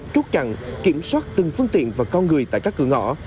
chốt chặn kiểm soát từng phương tiện và con người tại các cửa ngõ